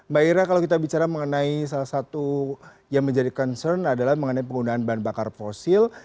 mbak ira kalau kita bicara mengenai salah satu yang menjadi concern adalah mengenai penggunaan bahan bakar fosil